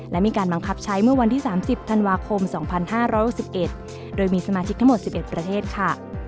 และมีการบังคับใช้เมื่อวันที่๓๐ธันวาคม๒๕๖๑โดยมีสมาชิกทั้งหมด๑๑ประเทศค่ะ